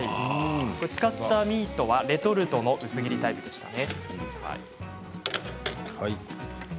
使ったミートはレトルトの薄切りでしたね。